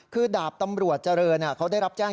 คือดาบตำรวจเจริญเขาได้รับแจ้ง